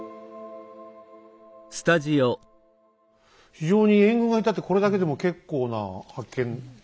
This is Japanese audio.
非常に援軍がいたってこれだけでも結構な発見だねえ。